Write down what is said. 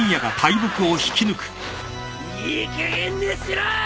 いいかげんにしろ！